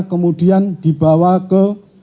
kemudian dibawa ke